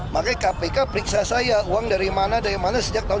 makanya kpk periksa saya uang dari mana dari mana sejak tahun sembilan puluh sembilan